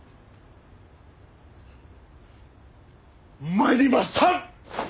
参りました！